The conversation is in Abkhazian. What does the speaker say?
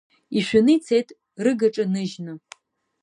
Ишәаны ицеит, рыгаҿа ныжьны…